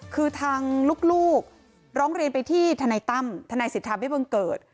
คือทางลูกร้องเรียนไปที่ธนัยตั้มธนัยศิษยธรรมเวียบังเกิด